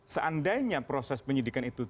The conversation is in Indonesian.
seandainya proses penyidikan itu